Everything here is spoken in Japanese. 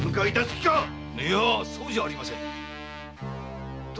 いやそうじゃありません。